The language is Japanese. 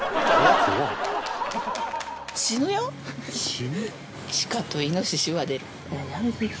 「死ぬ？」